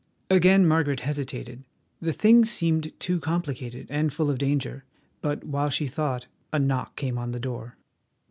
Again Margaret hesitated; the thing seemed too complicated and full of danger. But while she thought, a knock came on the door.